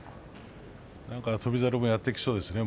なんか翔猿もやってきそうですね。